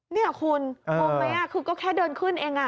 นี่คุณงงไหมคือก็แค่เดินขึ้นเอง